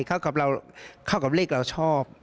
เข้ากับเราเข้ากับเลขเราชอบ